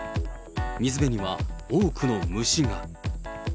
水辺には多くの虫が。